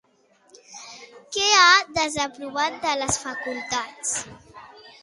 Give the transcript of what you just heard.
Què ha desaprovat de les facultats?